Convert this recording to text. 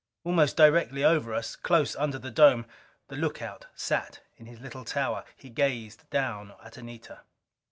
Almost directly over us, close under the dome, the lookout sat in his little tower. He gazed down at Anita.